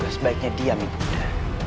kau juga sebaiknya diamin buddha